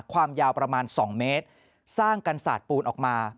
ความยาวประมาณ๒เมตรสร้างกันศาสตร์ปูนออกมา